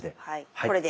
これで。